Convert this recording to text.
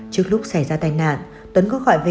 trước lúc xảy ra tai nạn tuấn có gọi về